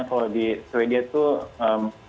jadi kalau di sweden tuh